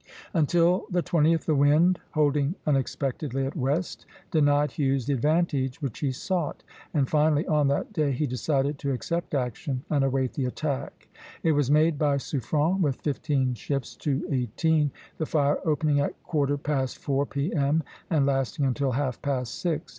Until the 20th the wind, holding unexpectedly at west, denied Hughes the advantage which he sought; and finally on that day he decided to accept action and await the attack. It was made by Suffren with fifteen ships to eighteen, the fire opening at quarter past four P.M. and lasting until half past six.